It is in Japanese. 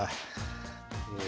え